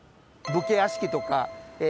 武家屋敷とか社寺